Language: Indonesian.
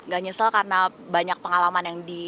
gak nyesal karena banyak pengalaman yang dia lakukan